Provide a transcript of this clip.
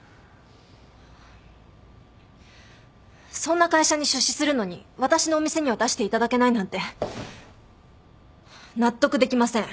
そんな会社に出資するのに私のお店には出していただけないなんて納得できません。